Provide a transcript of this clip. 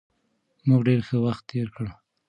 موږ ډېر ښه وخت تېر کړ.